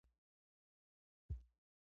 دا د اسلامي ټولنې نښه ده.